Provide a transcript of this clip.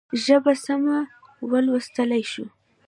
ژبه سمه ولوستلای شو.